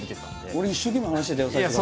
俺一生懸命話してたよ最初から。